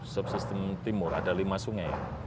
subsistem timur ada lima sungai